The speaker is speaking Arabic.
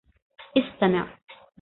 استمع!